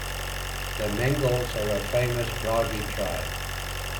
The Mengals are a famous Brahvi tribe.